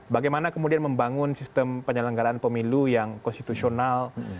bagaimana kemudian membangun sistem penyelenggaraan pemilu yang konstitusional